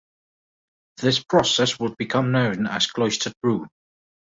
This process would become known as cloistered rule.